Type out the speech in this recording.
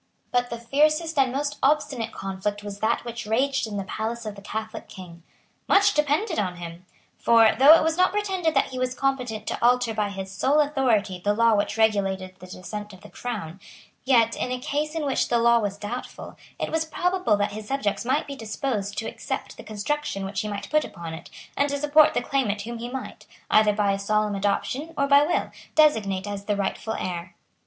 But the fiercest and most obstinate conflict was that which raged in the palace of the Catholic King. Much depended on him. For, though it was not pretended that he was competent to alter by his sole authority the law which regulated the descent of the Crown, yet, in a case in which the law was doubtful, it was probable that his subjects might be disposed to accept the construction which he might put upon it, and to support the claimant whom he might, either by a solemn adoption or by will, designate as the rightful heir.